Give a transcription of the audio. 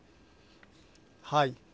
はい。